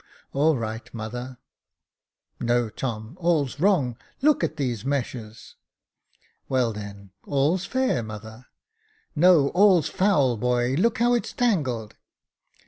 " All right, mother." " No, Tom, all's wrong ; look at these meshes .'"'" Well, then, all's fair, mother." " No, all's foul, boy ; look how it's tangled."